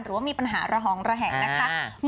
หรือว่ามีปัญหาระหองระแหงนะคะ